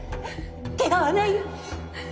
ケガはない？